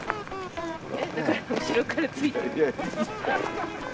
だから後ろからついてく。